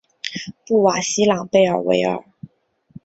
布瓦西朗贝尔维尔。